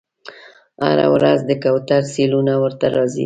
هره ورځ د کوترو سیلونه ورته راځي